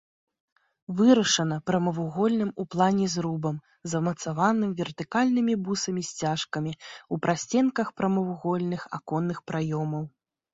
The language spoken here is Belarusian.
Вырашана прамавугольным у плане зрубам, замацаваным вертыкальнымі бусамі-сцяжкамі ў прасценках прамавугольных аконных праёмаў.